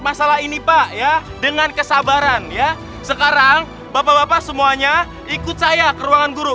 masalah ini pak ya dengan kesabaran ya sekarang bapak bapak semuanya ikut saya ke ruangan guru